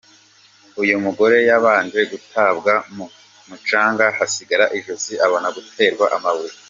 Uyu mugore yabanje gutabwa mu mucanga hasigara ijosi abona guterwa amabuye.